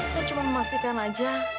saya cuma memastikan aja